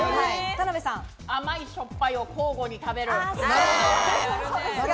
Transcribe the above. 甘いしょっぱいを交互に食べる。